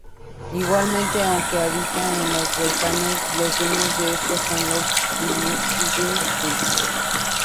Igualmente, aunque habita en los volcanes, los dueños de estos son los Ngen-winkul.